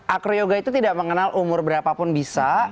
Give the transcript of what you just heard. akroyoga itu tidak mengenal umur berapa pun bisa